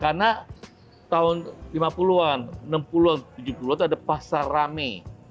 karena tahun lima puluh an enam puluh an tujuh puluh an itu ada pasar rame